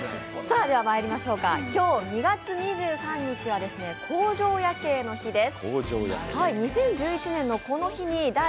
今日２月２３日は工場夜景の日です。